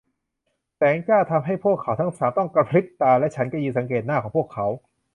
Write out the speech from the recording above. แสงจ้าทำให้พวกเขาทั้งสามต้องกระพริบตา และฉันก็ยืนสังเกตหน้าของพวกเขา